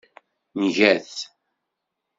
Nga-t.